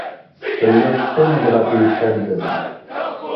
Tellid teqqimed ɣef yifadden.